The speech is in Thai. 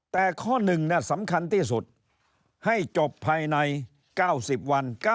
แต่ข้อ๑สำคัญที่สุดให้จบภายใน๙๐วัน